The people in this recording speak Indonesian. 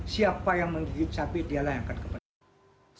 siapa yang menggigit cabai dialah yang akan kebencian